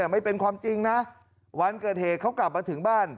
ไม่เป็นความจริงนะวันเกิดเหตุเขากลับมาถึงบ้าน